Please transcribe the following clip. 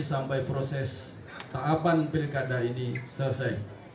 sampai proses pencalonan